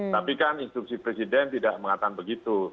tapi kan instruksi presiden tidak mengatakan begitu